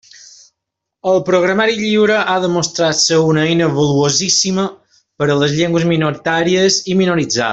El programari lliure ha demostrat ser una eina valuosíssima per a les llengües minoritàries i minoritzades.